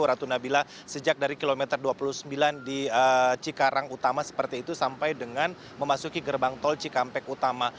ratu nabila sejak dari kilometer dua puluh sembilan di cikarang utama seperti itu sampai dengan memasuki gerbang tol cikampek utama